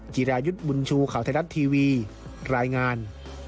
จิรายุทธ์บุญชูข่าวไทยรัฐทีวีรายงาน